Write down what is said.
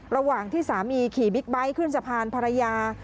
ระหว่างที่สามีขี่บิ๊กไบท์ขึ้นสะพานภรรยา